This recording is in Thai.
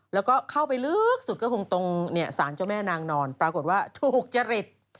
แล้วก็เข้าไปลึกสุดก็คงตรงสารเจ้าแม่นางนอนปรากฏว่าถูกจริต